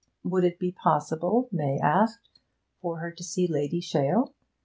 Would it be possible, May asked, for her to see Lady Shale?